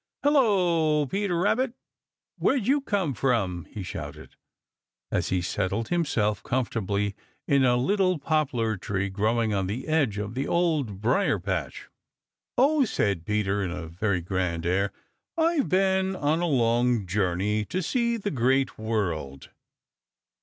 "Hello, Peter Rabbit! Where'd you come from?" he shouted, as he settled himself comfortably in a little poplar tree growing on the edge of the Old Briar patch. "Oh," said Peter with a very grand air, "I've been on a long journey to see the Great World."